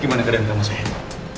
gimana keadaan kamu sayang